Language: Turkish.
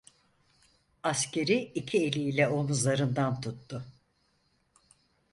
Askeri iki eliyle omuzlarından tuttu.